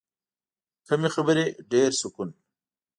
کمې خبرې، ډېر سکون.